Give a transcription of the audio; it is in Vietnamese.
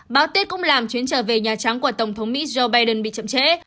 báo tết cũng làm chuyến trở về nhà trắng của tổng thống mỹ joe biden bị chậm trễ